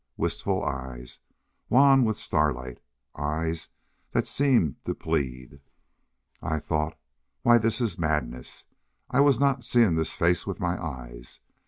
Wistful eyes, wan with starlight eyes that seemed to plead. I thought, "Why, this is madness!" I was not seeing this face with my eyes.